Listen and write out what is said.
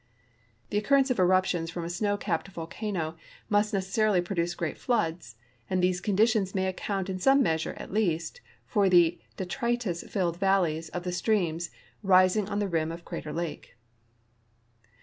The occurrence of eruptions from a snow capped volcano must necessarily produce great floods, and these conditions may account in some measure at least for the detritus filled valleys of the streams rising on the rim of Crater lake.